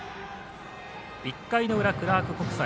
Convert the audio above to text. １回の裏、クラーク記念国際。